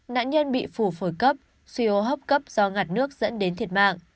nạn nhân bị phủ phổi cấp suy hô hấp cấp do ngặt nước dẫn đến thiệt mạng